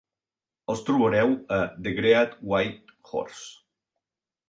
Els trobareu a "The Great White Horse".